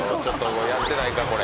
ちょっとやってないか？